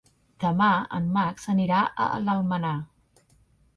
Demà en Max anirà a Almenar.